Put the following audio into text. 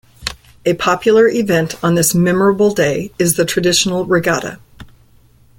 A popular event on this memorable day is the traditional regatta.